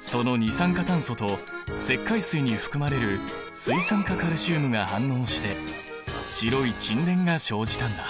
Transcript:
その二酸化炭素と石灰水に含まれる水酸化カルシウムが反応して白い沈殿が生じたんだ。